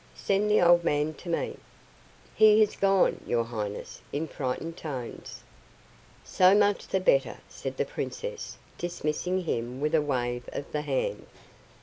Send the old man to me." "He has gone, your highness," in frightened tones. "So much the better," said the princess, dismissing him with a wave of the hand.